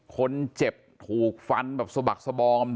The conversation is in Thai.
คนเจ็บถูกฟันแบบสะบักสบอม